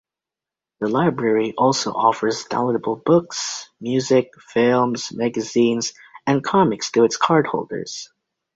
The library also offers downloadable books, music, films, magazines and comics to its cardholders.